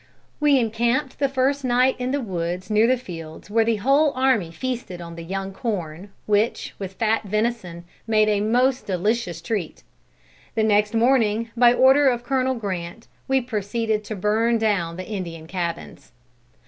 We encamped the first night in the woods near the fields where the whole army feasted on the young corn, which, with fat venison, made a most delicious treat. The next morning, by order of Col. Grant, we proceeded to burn down the Indian cabins.